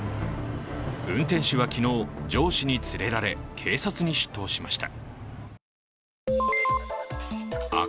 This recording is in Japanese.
運転手は昨日、上司に連れられ、警察に出頭しました。